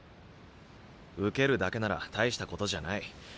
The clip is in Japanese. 受けるだけなら大したことじゃない。